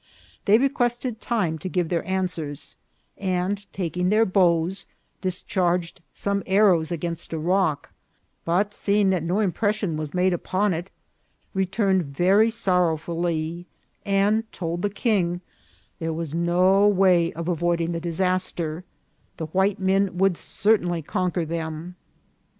They requested time to give their answers ; and, taking their bows, dis charged some arrows against a rock ; but, seeing that no impression was made upon it, returned very sorrow fully, and told the king there was no way of avoiding the disaster ; the white men would certainly conquer them.